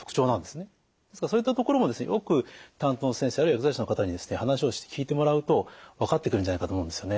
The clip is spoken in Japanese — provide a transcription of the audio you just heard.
ですからそういったところもよく担当の先生あるいは薬剤師の方に話をして聞いてもらうと分かってくるんじゃないかと思うんですよね。